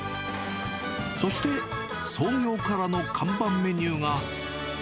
そして、創業からの看板メニューが。